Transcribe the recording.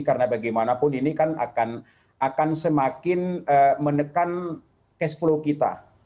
karena bagaimanapun ini kan akan semakin menekan cash flow kita